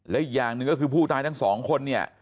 และอีกอย่างหนึ่งก็คือผู้ตายทั้งสองคนเนี่ย